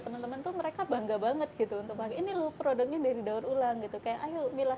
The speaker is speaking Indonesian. temen temen tuh mereka bangga banget gitu untuk ini produknya dari daur ulang gitu kayak ayo milah